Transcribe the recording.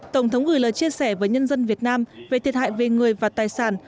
tổng thống gửi lời chia sẻ với nhân dân việt nam về thiệt hại về người và tài sản